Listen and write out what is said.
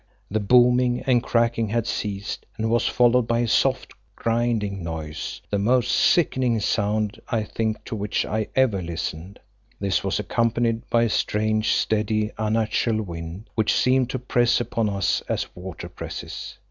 The booming and cracking had ceased, and was followed by a soft, grinding noise, the most sickening sound, I think, to which I ever listened. This was accompanied by a strange, steady, unnatural wind, which seemed to press upon us as water presses.